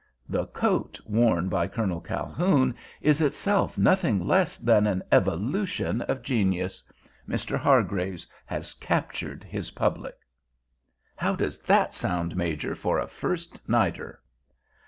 The coat worn by Colonel Calhoun is itself nothing less than an evolution of genius. Mr. Hargraves has captured his public.' "How does that sound, Major, for a first nighter?"